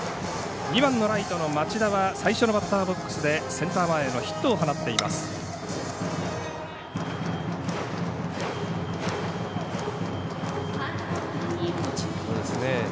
２番のライトの町田は最初のバッターボックスでセンター前へのヒットを放っています。